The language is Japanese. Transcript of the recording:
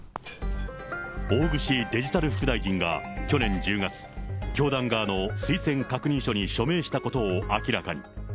大串デジタル副大臣が、去年１０月、教団側の推薦確認書に署名したことを明らかに。